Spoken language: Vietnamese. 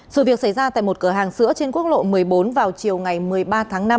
sự việc xảy ra tại một cửa hàng sữa trên quốc lộ một mươi bốn vào chiều ngày một mươi ba tháng năm